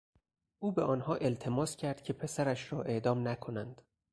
او به آنها التماس کرد که پسرش را اعدام نکنند.